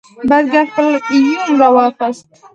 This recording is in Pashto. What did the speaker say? بزګر خپل یوم راواخست.